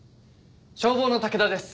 消防の武田です。